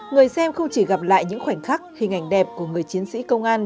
người xem không chỉ gặp lại những khoảnh khắc hình ảnh đẹp của người chiến sĩ công an